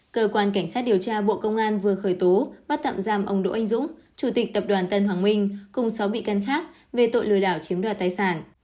cơ quan cảnh sát điều tra bộ công an vừa khởi tố bắt tạm giam ông đỗ anh dũng chủ tịch tập đoàn tân hoàng minh cùng sáu bị can khác về tội lừa đảo chiếm đoạt tài sản